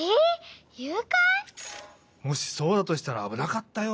もしそうだとしたらあぶなかったよ。